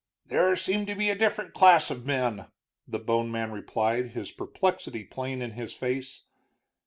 "These seem to be a different class of men," the bone man replied, his perplexity plain in his face.